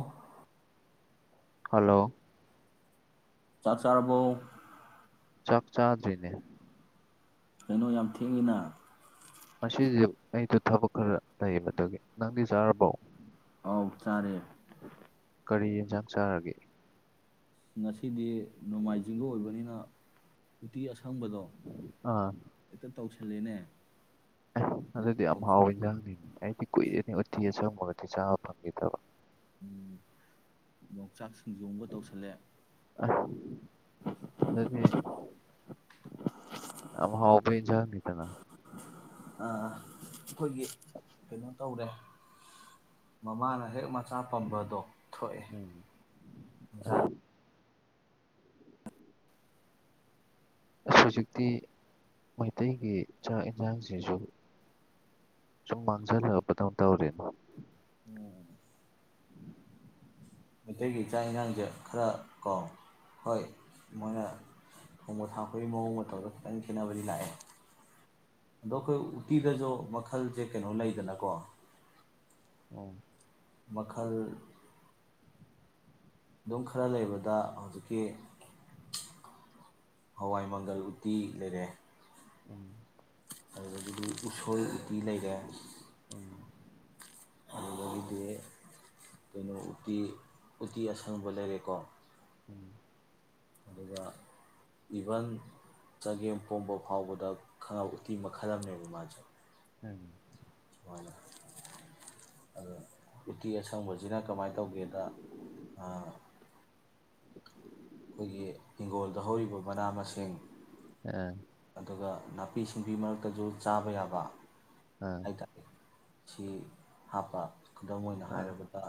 ꯑꯣ ꯍꯜꯂꯣ ꯆꯥꯛ ꯆꯥꯔꯔꯕꯧ ꯆꯥꯛꯆꯥꯥꯗꯅꯦ ꯀꯩꯅꯣ ꯌꯥꯝ ꯊꯦꯡꯉꯤꯅ ꯃꯁꯤꯁꯦ ꯑꯩꯁꯨ ꯊꯕꯛ ꯈꯔ ꯂꯩꯕꯗꯒꯤ ꯅꯪꯗꯤ ꯆꯥꯔꯕꯧ ꯑ ꯆꯥꯔꯦ ꯌꯦꯟꯖꯥꯡ ꯆꯥꯔꯒꯦ ꯉꯁꯤꯗꯤ ꯅꯣꯡꯃꯥꯏꯖꯤꯡꯒ ꯑꯣꯏꯕꯅꯤꯅ ꯏꯇꯤ ꯑꯁ ꯈꯪꯕꯗꯣ ꯑꯥ ꯇꯧꯁꯜꯂꯦꯅꯦ ꯑꯗꯨꯗꯤ ꯌꯥꯝ ꯍꯥꯎꯋꯦ ꯌꯥꯪꯅꯤꯅꯤ ꯑꯩꯗꯤ ꯀꯨꯏꯔꯦꯅꯤ ꯎꯊꯤ ꯑ ꯆꯪꯕꯒꯗꯤ ꯗꯕ ꯎꯝ ꯌꯣꯡꯆꯥꯛ ꯁꯤꯡ ꯌꯣꯡꯕ ꯇꯧꯁꯜꯂꯦ ꯑꯗꯨꯗꯤ ꯌꯥꯝ ꯍꯥꯎꯕ ꯏꯟꯖꯥꯡꯅꯤꯗꯅ ꯑꯩꯈꯣꯏꯒꯤ ꯀꯩꯅꯣ ꯇꯧꯔꯦ ꯃꯃꯥꯅ ꯍꯦꯛ ꯃꯥ ꯑꯆꯥ ꯄꯝꯕꯗꯣ ꯎꯝ ꯊꯣꯛꯑꯦꯟꯖꯥꯡ ꯑꯁ ꯑꯁ ꯍꯧꯖꯤꯛꯇꯤ ꯃꯩꯇꯩꯒꯤ ꯆꯥꯛ ꯌꯦꯟꯁꯥꯡꯁꯤꯁꯨ ꯁꯨꯝ ꯃꯥꯡꯁꯤꯜꯂꯛꯄꯗꯧ ꯇꯧꯔꯤꯅ ꯃꯩꯇꯩꯒꯤ ꯏꯥꯛ ꯏꯟꯁꯥꯡꯁꯦ ꯈꯔ ꯀꯣ ꯍꯣꯏ ꯃꯣꯏꯅ ꯊꯣꯡꯕ ꯊꯥꯛꯄꯒꯤ ꯃꯑꯣꯡ ꯃꯇꯧꯗ ꯈꯤꯇꯪ ꯈꯦꯠꯅꯕꯗꯤ ꯂꯥꯛꯑꯦ ꯑꯗꯣ ꯑꯩꯈꯣꯏ ꯎꯇꯤꯗꯁꯨ ꯃꯈꯜꯁꯦ ꯀꯩꯅꯣ ꯂꯩꯗꯅꯀꯣ ꯑ ꯃꯈꯜ ꯑꯗꯨꯝ ꯈꯔ ꯂꯩꯕꯗ ꯍꯧꯖꯤꯛꯀꯤ ꯍꯋꯥꯏ ꯃꯪꯒꯜ ꯎꯇꯤ ꯂꯩꯔꯦ ꯎꯝ ꯑꯗꯨꯗꯒꯤꯗꯤ ꯎꯁꯣꯏ ꯎꯇꯤ ꯂꯩꯔꯦ ꯎꯝ ꯑꯗꯨꯗꯒꯤꯗꯤ ꯀꯩꯅꯣ ꯎꯇꯤ ꯎꯇꯤ ꯑꯁꯪꯕ ꯂꯩꯔꯦꯀꯣ ꯎꯝ ꯑꯗꯨꯒ ꯏꯚꯟ ꯆꯒꯦꯝ ꯄꯣꯝꯕ ꯐꯥꯎꯕꯗ ꯈꯪꯉ ꯎꯇꯤ ꯃꯈꯜ ꯑꯃꯅꯦꯕ ꯃꯥꯁꯦ ꯎꯝ ꯁꯨꯃꯥꯏꯅ ꯑꯣ ꯎꯇꯤ ꯑꯁꯪꯕꯁꯤꯅ ꯀꯃꯥꯏꯅ ꯇꯧꯒꯦꯗ ꯑꯩꯈꯣꯏꯒꯤ ꯍꯤꯡꯈꯣꯜꯗ ꯍꯧꯔꯤꯕ ꯃꯅꯥ ꯃꯁꯤꯡ ꯑꯥ ꯑꯗꯨꯒ ꯅꯥꯄꯤ ꯁꯤꯡꯕꯤ ꯃꯔꯛꯇꯁꯨ ꯆꯥꯕ ꯌꯥꯕ ꯑꯥ ꯑꯩ ꯇꯦ ꯁꯤ ꯍꯥꯞꯄ ꯈꯨꯗꯝ ꯑꯣꯏꯅ ꯑꯥ ꯍꯥꯏꯔꯕꯗ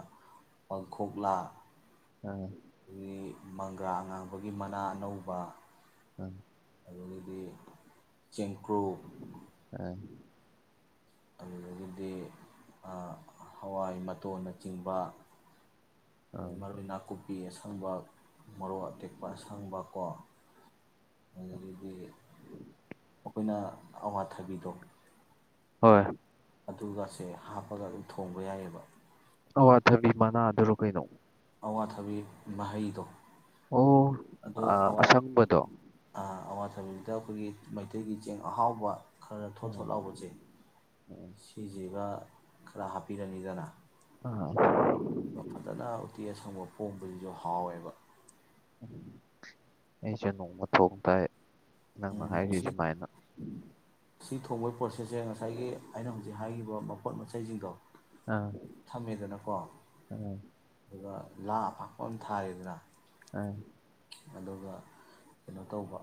ꯄꯥꯡꯈꯣꯛꯂꯥ ꯑꯥ ꯑꯗꯒꯤ ꯃꯪꯒ꯭ꯔ ꯑꯉꯥꯡꯕꯒꯤ ꯃꯅꯥ ꯑꯅꯧꯕ ꯎꯝ ꯑꯗꯨꯗꯒꯤꯗꯤ ꯆꯦꯡꯀ꯭ꯔꯨ ꯑꯥ ꯑꯗꯨꯗꯒꯤꯗꯤ ꯍꯋꯥꯏ ꯃꯇꯣꯟꯅꯆꯤꯡꯕ ꯑꯥ ꯃꯔꯔ ꯅꯥꯀꯨ ꯄꯅꯥꯄꯤ ꯑꯁꯪꯕ ꯃꯔꯣꯛ ꯑꯇꯦꯛꯄ ꯑꯁꯪꯕ ꯀꯣ ꯑꯗꯨꯗꯒꯤꯗꯤ ꯑꯩꯈꯣꯏꯅ ꯑꯋꯥꯊꯕꯤꯗꯣ ꯍꯣꯏ ꯑꯗꯨꯒꯁꯦ ꯍꯥꯞꯄꯒ ꯑꯗꯨꯝ ꯊꯣꯡꯕ ꯌꯥꯏꯑꯕ ꯑꯋꯥꯊꯕꯤ ꯃꯅꯥꯗꯔꯣ ꯀꯩꯅꯣ ꯑꯋꯥꯊꯕꯤ ꯃꯍꯩꯗꯣ ꯑꯣ ꯑꯗꯣ ꯑ ꯑꯁꯪꯕꯗꯣ ꯆꯊꯕꯤꯗꯨꯗ ꯑꯩꯈꯣꯏꯒꯤ ꯃꯩꯇꯩꯒꯤ ꯆꯦꯡ ꯑꯍꯥꯎꯕ ꯈꯔ ꯊꯣꯠ ꯎꯝ ꯊꯣꯠ ꯂꯥꯎꯕꯁꯦ ꯎꯝ ꯁꯤꯁꯤꯒ ꯈꯔ ꯍꯥꯞꯄꯤꯔꯅꯤꯖꯥꯟ ꯑ ꯑ ꯐꯖꯅ ꯎꯇꯤ ꯑꯁꯪꯕ ꯄꯣꯡꯕꯁꯤꯁꯨ ꯍꯥꯎꯋꯦꯕ ꯑꯩꯁꯨꯦ ꯅꯣꯡꯃ ꯊꯣꯡ ꯇꯥꯏ ꯅꯪꯅ ꯁꯤ ꯍꯥꯏꯔꯤꯁꯤꯦꯃꯥꯏꯅ ꯁꯤ ꯊꯣꯡꯕꯩ ꯄꯣꯁ ꯁꯤꯁꯦ ꯉꯁꯥꯏꯒꯤ ꯑꯩꯅ ꯍꯧꯖꯤꯛ ꯍꯥꯏꯈꯤꯕ ꯄꯄꯣꯠ ꯃꯆꯩꯁꯤꯡꯗꯣ ꯑꯥ ꯊꯝꯃꯦꯗꯅꯀꯣ ꯑꯥ ꯑꯗꯨꯒ ꯂꯥ ꯑ ꯄꯥꯛꯄ ꯑꯃ ꯊꯥꯏꯔꯤꯗꯅ ꯎꯝ ꯑꯗꯨꯒ ꯀꯩꯅꯣ ꯇꯧꯕ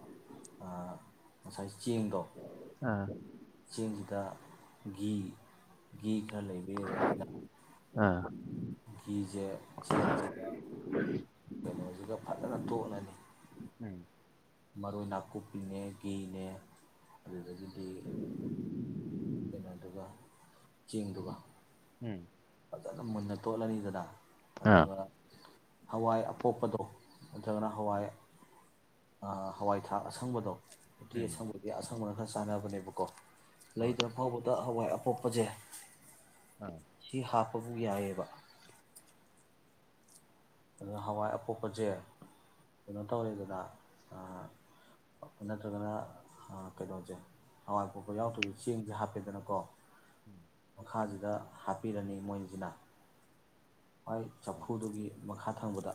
ꯉꯁꯥꯏ ꯆꯦꯡꯗꯣ ꯑꯥ ꯆꯦꯟ ꯆꯥ ꯒꯤ ꯒꯤ ꯈꯔ ꯂꯩꯕꯤꯗꯅ ꯑꯩꯈꯣꯏꯅ ꯎꯝ ꯒꯤꯁꯦ ꯆꯦꯡꯁꯤꯗ ꯀꯩꯅꯣꯁꯤꯒ ꯐꯖꯅ ꯇꯣꯅꯅꯤ ꯎꯝ ꯃꯔꯣꯏ ꯅꯥꯀꯨꯞꯄꯤꯅꯦ ꯒꯤꯅꯦ ꯑꯗꯨꯗꯒꯤ ꯒꯤ ꯀꯩꯅꯣꯗꯨꯒ ꯆꯦꯡꯗꯨꯒ ꯎꯝ ꯐꯖꯅ ꯃꯨꯟꯅ ꯇꯣꯠꯂꯅꯤꯗꯅ ꯑꯥ ꯑꯗꯨꯒ ꯍꯋꯥꯏ ꯑꯄꯣꯛꯄꯗꯣ ꯅꯠꯇ꯭ꯔꯒꯅ ꯍꯋꯥꯏ ꯍꯋꯥꯏ ꯊꯥꯛ ꯑꯁꯪꯕꯗꯣ ꯎꯝ ꯇꯁꯪꯕꯨꯣ ꯑꯁꯪ ꯁꯥꯟꯅꯕꯅꯦꯕꯀꯣ ꯍꯣꯏ ꯂꯩꯗ꯭ꯔ ꯐꯥꯎꯕꯗ ꯍꯋꯥꯏ ꯑꯣꯞꯄꯖꯩ ꯑꯥ ꯁꯤ ꯍꯥꯞꯄꯕꯨ ꯌꯥꯏꯑꯕ ꯑꯗꯨ ꯍꯋꯥꯏ ꯑꯄꯣꯛꯄꯁꯦ ꯀꯩꯅꯣ ꯇꯧꯔꯦꯗꯅ ꯅꯠꯇ꯭ꯔꯒꯅ ꯀꯩꯅꯣꯁꯦ ꯍꯋꯥꯏ ꯑꯄꯣꯛꯄ ꯌꯥꯎꯗ꯭ꯔꯁꯨ ꯆꯦꯡꯁꯦ ꯍꯥꯞꯄꯦꯗꯅꯀꯣ ꯃꯈꯥꯁꯤꯗ ꯍꯥꯞꯄꯤꯔꯅꯤ ꯃꯣꯏꯁꯤꯅ ꯍꯣꯏ ꯆꯐꯨꯗꯨꯒꯤ ꯃꯈꯥ ꯊꯪꯕꯗ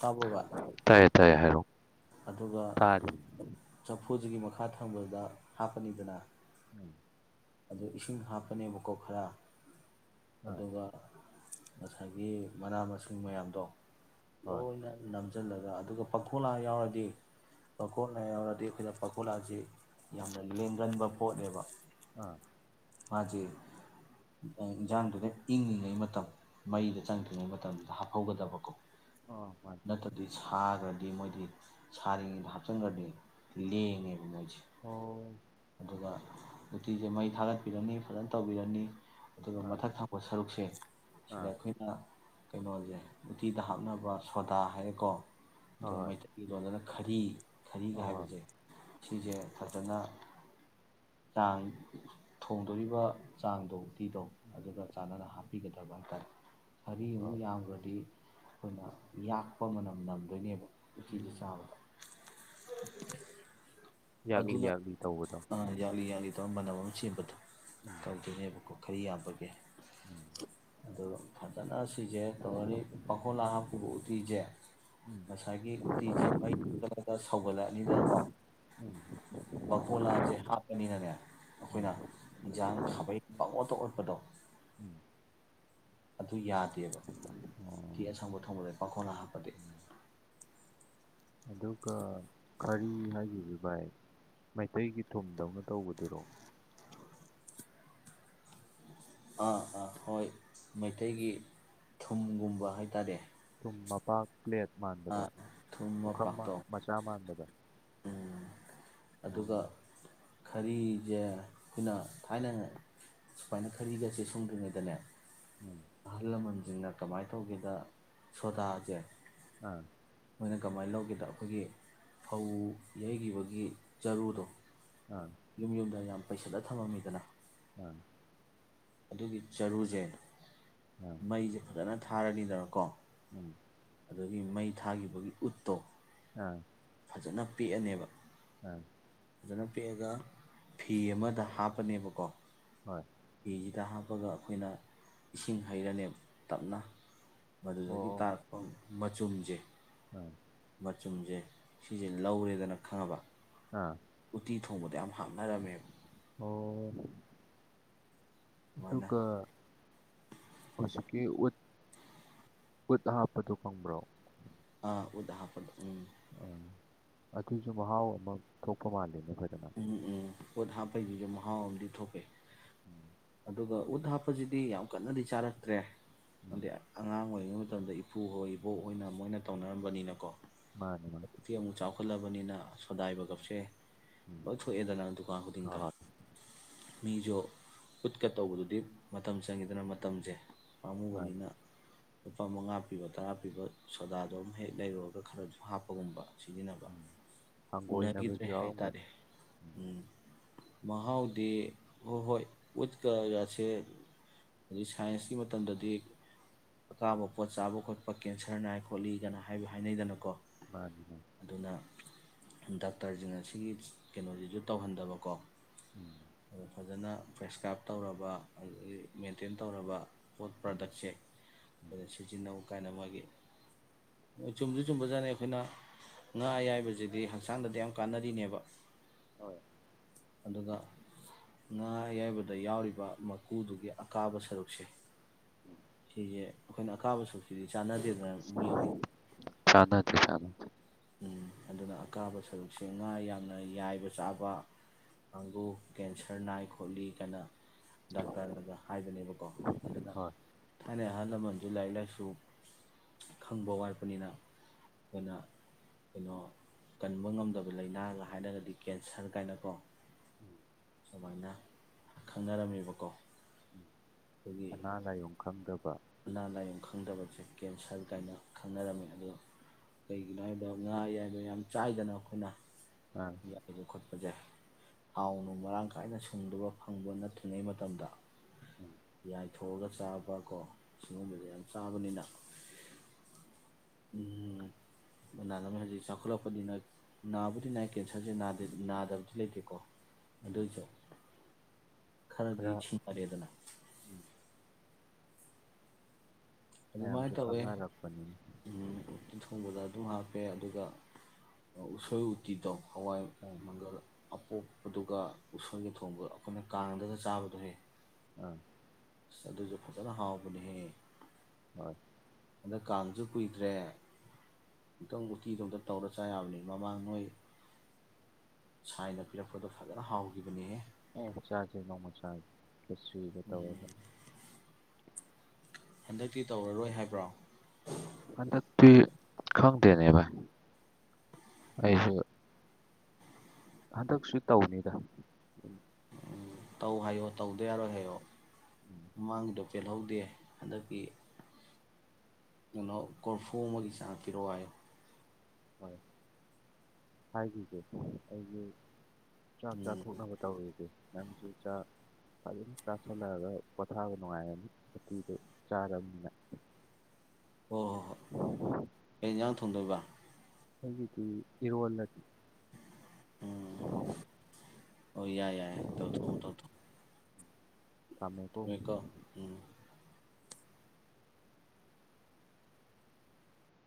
ꯇꯥꯕ꯭ꯔꯣ ꯕꯥꯏ ꯇꯥꯏꯌꯦ ꯇꯥꯏꯌꯦ ꯍꯥꯏꯔ ꯑꯗꯨꯒ ꯎꯐꯨꯁꯤꯒꯤ ꯃꯈꯥ ꯊꯪꯕꯗꯨꯗ ꯍꯥꯞꯄꯅꯤꯗꯅ ꯎꯝ ꯑꯗꯨ ꯏꯁꯤꯡ ꯍꯥꯞꯄꯅꯦꯕꯀꯣ ꯈꯔ ꯑꯥ ꯑꯗꯨꯒ ꯉꯁꯥꯏꯒꯤ ꯃꯅꯥ ꯃꯁꯤꯡ ꯃꯌꯥꯝꯗꯣ ꯑꯣ ꯍꯣꯏ ꯏ ꯅ ꯍꯥꯥꯆꯜꯂꯒ ꯑꯗꯨꯒ ꯄꯥꯈꯣꯂꯥ ꯌꯥꯎꯔꯗꯤ ꯄꯥꯈꯣꯂꯥ ꯌꯥꯎꯔꯗꯤ ꯑꯩꯈꯣꯏꯅ ꯄꯥꯈꯣꯂꯥꯁꯤ ꯌꯥꯝꯅ ꯂꯦꯡꯒꯟꯕ ꯄꯣꯠꯅꯦꯕ ꯑꯥ ꯃꯥꯁꯦ ꯏꯟꯖꯥꯡꯗꯨꯅ ꯏꯪꯉꯤꯉꯩ ꯃꯇꯝ ꯃꯩꯗ ꯆꯪꯗ꯭ꯔꯤꯉꯩ ꯃꯇꯝꯗ ꯍꯥꯞꯍꯧꯒꯗꯕꯀꯣ ꯑꯣ ꯃꯥꯅꯤ ꯅꯠꯇꯗꯤꯁ ꯁꯥꯈ꯭ꯔꯗꯤ ꯃꯣꯏꯗꯤ ꯁꯥꯔꯤꯉꯩꯗ ꯍꯥꯞꯆꯤꯟꯈ꯭ꯔꯗꯤ ꯂꯦꯡꯉꯦꯕ ꯃꯣꯏꯗꯤ ꯑꯣ ꯑꯗꯨꯒ ꯎꯇꯤꯁꯦ ꯃꯩ ꯊꯥꯒꯠꯄꯤꯔꯅꯤ ꯐꯖꯅ ꯇꯧꯕꯤꯔꯅꯤ ꯑꯗꯨꯒ ꯑꯥ ꯃꯊꯛ ꯊꯪꯄ ꯁꯔꯨꯛꯁꯦ ꯁꯤꯗ ꯑꯥ ꯑꯩꯈꯣꯏꯅ ꯀꯩꯅꯣꯁꯦ ꯎꯇꯤꯗ ꯍꯥꯞꯅꯕ ꯁꯣꯗꯥ ꯍꯥꯏꯌꯦꯀꯣ ꯑꯗꯨ ꯍꯣꯏ ꯍꯣꯏ ꯃꯩ ꯈꯔꯤ ꯈꯔꯤꯒ ꯍꯣꯏ ꯍꯣꯏ ꯍꯥꯏꯕꯁꯦ ꯎꯝ ꯁꯤꯁꯦ ꯐꯖꯅ ꯆꯥꯡ ꯊꯣꯡꯗꯣꯔꯤꯕ ꯆꯥꯡꯗꯣ ꯎꯇꯤꯗꯣ ꯎꯝ ꯑꯗꯨꯒ ꯆꯥꯟꯅꯅ ꯍꯥꯞꯄꯤꯒꯗꯕ ꯍꯥꯏꯇꯥꯔꯦ ꯍꯔꯤꯃꯨꯛ ꯍꯣꯏ ꯌꯥꯝꯈ꯭ꯔꯗꯤ ꯑꯩꯈꯣꯏꯅ ꯌꯥꯛꯄ ꯃꯅꯝ ꯅꯝꯗꯣꯏꯅꯦꯕ ꯎꯇꯤꯗꯣ ꯎꯝ ꯆꯕꯗ [inaudible] ꯌꯥꯛꯂꯤ ꯌꯥꯛꯂꯤ ꯇꯧꯕꯗꯣ ꯑꯗꯨ ꯃꯅꯝ ꯑꯃ ꯆꯦꯟꯕꯗꯣ ꯎꯝ ꯇꯧꯗꯣꯏꯅꯦꯕ ꯈꯔꯤ ꯌꯥꯝꯕꯒꯦ ꯎꯝ ꯑꯗꯨ ꯐꯖꯅ ꯁꯤꯁꯦ ꯇꯧꯔꯅꯤ ꯄꯥꯡꯈꯣꯂꯥ ꯍꯥꯞꯈꯤꯕ ꯎꯇꯤꯁꯦ ꯎꯝ ꯉꯁꯥꯏꯒꯤ ꯎꯇꯤꯁꯦ ꯃꯩ ꯆ ꯆꯠꯂꯒ ꯁꯧꯒꯠꯂꯛꯑꯅꯤꯅꯀꯣ ꯎꯝ ꯄꯈꯣꯂꯥꯁꯦ ꯍꯥꯞꯄꯅꯤꯅꯅꯦ ꯎꯝ ꯑꯩꯈꯣꯏꯅ ꯏꯟꯁꯥꯡ ꯈꯥꯕꯩ ꯄꯪꯑꯣꯠꯇ ꯑꯣꯠ ꯗꯣ ꯎꯝ ꯑꯗꯨ ꯌꯥꯗꯦꯕ ꯑꯣ ꯎꯇꯤ ꯑꯁꯪꯕ ꯊꯣꯡꯕꯗ ꯄꯥꯡꯈꯣꯂꯥ ꯍꯥꯞꯄꯗꯤ ꯎꯝ ꯑꯗꯨꯒ ꯈꯔꯤ ꯍꯥꯏꯔꯤꯖꯦ ꯚꯥꯏ ꯃꯩꯇꯩꯒꯤ ꯊꯨꯝꯗꯧꯅ ꯇꯧꯕꯗꯨꯔꯣ ꯑꯥ ꯑꯥ ꯍꯣꯏ ꯃꯩꯇꯩꯒꯤ ꯊꯨꯝꯒꯨꯝꯕ ꯍꯥꯏꯇꯥꯔꯦ ꯊꯨꯝ ꯃꯄꯥꯛ ꯄ꯭ꯂꯦꯠ ꯃꯥꯟꯕꯗꯣ ꯑꯥ ꯊꯨꯝ ꯄꯨꯈꯝ ꯃꯄꯥꯛꯇꯣ ꯃꯆꯥ ꯃꯥꯟꯕꯗꯣ ꯎꯝ ꯎ ꯑꯗꯨꯒ ꯈꯔꯤꯁꯦ ꯑꯩꯈꯣꯏꯅ ꯊꯥꯏꯅ ꯁꯨꯃꯥꯏꯅ ꯈꯔꯤꯒꯁꯦ ꯁꯨꯡꯗ꯭ꯔꯤꯉꯩꯗꯅꯦ ꯎꯝ ꯑꯍꯜ ꯂꯃꯟꯁꯤꯡꯅ ꯀꯃꯥꯏꯅ ꯇꯧꯒꯦꯗ ꯁꯣꯗꯥꯁꯦ ꯑꯥ ꯃꯣꯏꯅ ꯀꯃꯥꯏꯅ ꯂꯧꯒꯦꯗ ꯑꯩꯈꯣꯏꯒꯤ ꯐꯧ ꯌꯩꯈꯤꯕꯒꯤ ꯆꯔꯨꯗꯣ ꯎꯝ ꯌꯨꯝ ꯌꯨꯝꯗ ꯌꯥꯝ ꯄꯩꯁꯥꯂ ꯊꯝꯃꯝꯃꯤꯗꯅ ꯎꯝ ꯑꯗꯨꯒꯤ ꯆꯔꯨꯖꯦ ꯑꯥ ꯃꯩ ꯐꯖꯅ ꯊꯥ ꯊꯥꯔꯅꯤꯗ ꯅꯥꯀꯣ ꯎꯝ ꯑꯗꯒꯤ ꯃꯩ ꯊꯥꯈꯤꯕꯒꯤ ꯎꯠꯇꯣ ꯑꯥ ꯐꯖꯅ ꯄꯦꯛꯑꯅꯤꯕ ꯑꯥ ꯐꯖꯅ ꯄꯦꯛꯑꯒ ꯐꯤ ꯑꯃꯗ ꯍꯥꯞꯄꯅꯤꯕꯀꯣ ꯍꯣꯏ ꯐꯤꯖꯤꯗ ꯍꯥꯞꯄꯒ ꯑꯩꯈꯣꯏꯅ ꯏꯁꯤꯡ ꯍꯩꯔꯅꯤꯕ ꯇꯞꯅ ꯑꯣ ꯃꯗꯨꯗꯒꯤ ꯑꯣ ꯇꯥꯔꯛꯄ ꯃꯆꯨꯝꯖꯦ ꯑꯥ ꯃꯆꯨꯝꯖꯦꯁꯦ ꯁꯤꯁꯦ ꯂꯧꯔꯦꯗꯅ ꯈꯪꯉꯕ ꯑꯥ ꯎꯇꯤ ꯊꯣꯡꯕꯗ ꯌꯥꯝ ꯍꯥꯞꯅꯔꯝꯃꯦ ꯑꯣ ꯑꯗꯨꯃꯥꯏꯅ ꯑꯗꯨꯒ ꯍꯧꯖꯤꯛꯀꯤ ꯎꯠ ꯎꯠ ꯍꯥꯞꯄꯗꯨ [unintelligible] ꯎꯠ ꯍꯥꯞꯄꯗꯣ ꯎꯝ ꯑꯪ ꯑꯗꯨꯁꯨ ꯃꯍꯥꯎ ꯑꯃ ꯊꯣꯛꯄ ꯃꯥꯂꯤꯅꯦ ꯅ [unintelligible] ꯄꯣꯠ ꯍꯥꯞꯄꯩꯗꯨꯒꯤ ꯃꯍꯥꯎ ꯑꯃꯗꯤ ꯊꯣꯛꯄꯦ ꯎꯝ ꯑꯗꯨꯒ ꯎꯠ ꯍꯥꯞꯄꯁꯤꯗꯤ ꯌꯥꯝ ꯀꯟꯅꯗꯤ ꯆꯥꯔꯛꯇ꯭ꯔꯦ ꯎꯝ [unintelligible] ꯑꯉꯥꯡ ꯑꯣꯏ ꯑꯣꯢꯔꯤꯉꯩ ꯃꯇꯝꯗ ꯏꯄꯨ ꯍꯣꯏ ꯏꯕꯣꯛ ꯑꯣꯏꯅ ꯃꯣꯏꯅ ꯇꯧꯅꯔꯝꯕꯅꯤꯅꯀꯣ ꯃꯥꯅꯦ ꯃꯥꯅꯦ ꯍꯧꯖꯤꯛꯇꯤ ꯑꯃꯨꯛ ꯆꯥꯎꯈꯠꯂꯕꯅꯤꯅ ꯁꯣꯗꯥꯏꯕꯥꯢꯒꯞꯁꯦ ꯎꯝ ꯂꯣꯢ ꯊꯣꯛꯑꯦꯗꯅ ꯗꯨꯀꯥꯟ ꯍꯣꯏ ꯈꯨꯗꯤꯡꯗ ꯍꯣꯏ ꯃꯤꯁꯨ ꯎꯠꯀ ꯇꯧꯕꯗꯨꯗꯤ ꯃꯇꯝ ꯆꯪꯉꯤꯗꯅ ꯃꯇꯝꯁꯦ ꯃꯥꯅꯤ ꯄꯥꯝꯃꯨꯕꯅꯤꯅ ꯂꯨꯄꯥ ꯃꯉꯥ ꯄꯤꯕ ꯇꯔꯥ ꯄꯤꯕ ꯁꯣꯗꯥꯗꯣ ꯑꯃꯝ ꯍꯦꯛ ꯂꯩꯔꯨꯔꯒ ꯈꯔꯁꯨ ꯍꯥꯞꯄꯒꯨꯝꯕ ꯁꯤꯖꯤꯟꯅꯕ ꯎꯝ ꯍꯪꯒꯣꯏꯅꯕꯁꯨ ꯎꯅꯒꯤꯗ꯭ꯔꯦ ꯌꯥꯎꯔꯝꯒꯅꯤ ꯍꯥꯏꯇꯥꯔꯦ ꯎꯝ ꯃꯍꯥꯎꯗꯤ ꯍꯣꯏ ꯍꯣꯏ ꯎꯠꯀꯒꯁꯦ ꯍꯥꯏꯗꯤ ꯁꯥꯏꯟꯁꯀꯤ ꯃꯇꯝꯗꯗꯤ ꯑꯀꯥꯕ ꯄꯣꯠ ꯆꯥꯕ ꯈꯣꯠꯄ ꯀꯦꯟꯁꯔ ꯅꯥꯏ ꯈꯣꯠꯂꯤꯒꯅ ꯍꯥꯏꯕ ꯍꯥꯏꯅꯩꯗꯅꯀꯣ ꯃꯥꯅꯤꯅꯦ ꯑꯗꯨꯅ ꯗꯥꯛꯇꯔꯁꯤꯡ ꯁꯤꯒꯤ ꯀꯩꯅꯣꯁꯤꯁꯨ ꯇꯧꯍꯟꯗꯕꯀꯣ ꯎꯝ [unintelligible] ꯐꯖꯅ ꯄ꯭ꯔꯦꯁꯀ꯭ꯔꯥꯏꯞ ꯇꯧꯔꯕ ꯑꯗꯨꯗꯒꯤ ꯃꯦꯟꯇꯦꯟ ꯇꯧꯔꯕ ꯄꯣꯠ ꯎꯝ ꯎꯝ ꯄ꯭ꯔꯗꯛꯁꯦꯈ ꯁꯤꯖꯤꯟꯅꯧ ꯀꯥꯏꯅ ꯃꯣꯏꯒꯤ ꯃꯣꯏ ꯆꯨꯝꯁꯨ ꯆꯨꯝꯕꯖꯥꯠꯅꯤ ꯑꯩꯈꯣꯏꯅ ꯉꯥ ꯑꯌꯥꯏꯕꯁꯤꯗꯤ ꯍꯛꯆꯥꯡꯗꯗꯤ ꯌꯥꯝ ꯀꯥꯟꯅꯔꯤꯅꯦꯕ ꯍꯣꯏ ꯑꯗꯨꯒ ꯉꯥ ꯑꯌꯥꯏꯕꯗ ꯌꯥꯎꯔꯤꯕ ꯃꯀꯨꯗꯨꯒꯤ ꯑꯀꯥꯕ ꯁꯔꯨꯛꯁꯦ ꯁꯤꯁꯦ ꯑꯩꯈꯣꯏꯅ ꯑꯀꯥꯕ ꯁꯣꯛꯁꯤꯗꯤ ꯆꯥꯟꯅꯗꯦ ꯆꯗ ꯊ ꯆ ꯎꯝ ꯑꯗꯨꯅ ꯑꯀꯥꯕ ꯁꯔꯨꯛꯁꯦ ꯉꯥ ꯌꯥꯝꯅ ꯌꯥꯏꯕ ꯆꯥꯕ ꯀꯥꯡꯕꯨꯨ ꯀꯦꯟꯁꯔ ꯅꯥꯏ ꯈꯣꯠꯂꯤ ꯀꯥꯏꯅ ꯗꯥꯛꯇꯔꯗ ꯍꯥꯏꯕꯅꯦꯕꯀꯣ ꯎ ꯑꯗꯨꯅ ꯍꯣꯏ ꯊꯥꯏꯅꯩ ꯑꯍꯜ ꯂꯃꯟꯁꯨ ꯂꯥꯏꯔꯤꯛ ꯂꯥꯏꯁꯨ ꯈꯪꯕ ꯋꯥꯠꯄꯅꯤꯅ ꯑꯈꯣꯏꯅ ꯀꯩꯅꯣ ꯀꯟꯕ ꯉꯝꯗꯕ ꯂꯥꯏꯅꯥꯒ ꯍꯥꯏꯔꯒꯗꯤ ꯀꯦꯟꯁꯔ ꯀꯥꯏꯅꯀꯣ ꯎꯝ ꯁꯨꯃꯥꯏꯅ ꯈꯪꯅꯔꯝꯃꯦꯕꯀꯣ ꯎꯝ ꯑꯩꯈꯣꯏꯒꯤ ꯑꯅꯥ ꯂꯥꯏꯌꯣꯡ ꯈꯪꯗꯕ ꯑꯅꯥ ꯂꯥꯏꯌꯣꯡ ꯈꯪꯗꯕꯁꯦ ꯀꯦꯟꯁꯔ ꯎꯝ ꯀꯥꯏꯅ ꯈꯪꯅꯔꯝꯃꯤ ꯑꯗꯣ ꯀꯩꯒꯤꯅꯣ ꯍꯥꯏꯕ ꯉꯥ ꯌꯥꯏꯕ ꯌꯥꯝ ꯆꯥꯏꯗꯅ ꯑꯈꯣꯏꯅ ꯑꯥ ꯌꯥꯏꯕ ꯈꯣꯠꯄꯖꯦ ꯊꯥꯎꯅꯨꯡ ꯃꯔꯥꯡ ꯀꯥꯏꯅ ꯁꯨꯡꯗꯕ ꯐꯪꯕ ꯅꯠꯇ꯭ꯔꯤꯉꯩ ꯃꯇꯝꯗ ꯎꯝ ꯌꯥ ꯊꯣꯡꯉꯒ ꯆꯥꯕ ꯀꯣ ꯁꯤꯒꯨꯝꯕꯁꯦ ꯌꯥꯝ ꯆꯥꯕꯅꯤꯅ ꯃꯅꯥ ꯍꯧꯖꯤꯛ ꯆꯥꯎꯈꯠꯂꯛꯄꯅꯤꯅ ꯅꯥꯕꯨꯗꯤ ꯅꯥ ꯀꯦꯟꯁꯔꯁꯦ ꯅꯥꯗꯕꯗꯤ ꯂꯩꯇꯦꯀꯣ ꯎꯝ ꯑꯗꯨꯏꯁꯨ ꯈꯔꯗꯤ ꯈꯔ ꯁꯤꯡꯅꯔꯦꯗꯅ ꯎꯝ ꯑꯗꯨꯃꯥꯏꯅ ꯃꯌꯥꯝꯁꯨ ꯇꯧꯋꯦ ꯈꯪꯅꯔꯛꯄꯅꯤꯅꯦ ꯎꯝ ꯎꯇꯤ ꯊꯣꯡꯕꯗ ꯑꯗꯨꯝ ꯍꯥ ꯍꯥꯄꯦ ꯑꯗꯨꯒ ꯎꯁꯣꯏ ꯎꯇꯤꯗꯣ ꯍꯋꯥꯏ ꯑꯥ ꯃꯪꯒꯜ ꯑꯣꯛꯄꯗꯨꯒ ꯎꯁꯣꯏꯒꯤ ꯊꯣꯡꯕ ꯑꯈꯣꯏꯅ ꯀꯥꯡꯗꯒ ꯆꯥꯕꯗꯨ ꯍꯦ ꯑꯝ ꯑꯏ ꯑꯗꯨꯁꯨ ꯐꯖꯅ ꯍꯥꯎꯕꯅꯦꯍꯦ ꯍꯣꯏ ꯍꯟꯗꯛ ꯀꯥꯡꯁꯨ ꯀꯨꯏꯗ꯭ꯔꯦ ꯇꯪ ꯎꯇꯤꯗꯣ ꯑꯝꯇ ꯇꯧꯔ ꯆꯥ ꯌꯥꯕꯅꯤ ꯃꯃꯥꯡ ꯅꯣꯏ ꯁꯥꯏꯅ ꯄꯤꯔꯛꯄꯗꯣ ꯐꯖꯅ ꯍꯥꯎꯈꯤꯕꯅꯤꯍꯦ ꯑꯣ ꯆꯥꯥꯖꯦ ꯅꯣꯡꯃ ꯆꯥꯖꯦ ꯈꯦꯆ꯭ꯔꯤꯒ ꯇꯧꯔꯒ ꯍꯟꯗꯛꯇꯤ ꯇꯧꯔꯔꯣꯏ ꯍꯥꯏꯕ꯭ꯔꯣ ꯍꯟꯗꯛꯇꯤ ꯈꯪꯗꯦꯅꯦꯕ ꯚꯥꯏ ꯑꯩꯁꯨ ꯍꯟꯗꯛꯁꯨ ꯇꯧꯅꯤꯗ ꯇꯧ ꯍꯥꯏꯌꯣ ꯇꯧꯗ ꯌꯥꯔꯣꯏ ꯍꯥꯏꯌꯣ ꯎꯝ ꯃꯃꯥꯡꯒꯤꯗꯣ ꯄꯦꯜꯍꯧꯗꯦ ꯍꯟꯗꯛꯇꯤ ꯀꯩꯅꯣ ꯀꯣꯔꯐꯨ ꯑꯃꯒꯤ ꯆꯥꯡ ꯄꯤꯔꯛꯑꯣ ꯍꯥꯏꯌꯣ ꯍꯣꯏ ꯍꯥꯏꯈꯤꯒꯦ ꯑꯩꯒꯤ ꯆꯥꯛ ꯆꯥ ꯎꯝ ꯊꯣꯛꯅꯕ ꯇꯧꯔꯨꯒꯦ ꯅꯪꯁꯨ ꯆꯥꯛ ꯍꯧꯖꯤꯛ ꯆꯥꯁꯤꯜꯂꯒꯥ ꯄꯣꯠꯊꯥꯕ ꯅꯨꯡꯉꯥꯏꯌꯦꯕ ꯎꯇꯤꯗ ꯆꯥꯔꯃꯤꯅ꯫ ꯍꯣ ꯍꯣ ꯍꯣꯏ ꯀꯩꯟꯖꯥꯡ ꯊꯣꯡꯗꯣꯏꯕ? ꯑꯩꯒꯤꯗꯤ ꯏꯔꯣꯜꯂꯒꯦ ꯎꯝ ꯑꯣꯏ ꯌꯥ ꯌꯥꯏ ꯇꯧꯊꯣ ꯇꯧꯊꯣ ꯊꯃꯦꯀꯣ ꯎꯝ